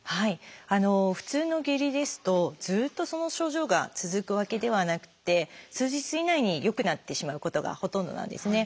普通の下痢ですとずっとその症状が続くわけではなくて数日以内に良くなってしまうことがほとんどなんですね。